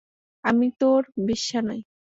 আমি তোর বেশ্যা নই।